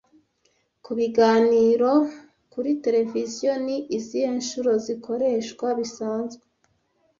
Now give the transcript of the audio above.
Kubiganiro kuri tereviziyo, ni izihe nshuro zikoreshwa bisanzwe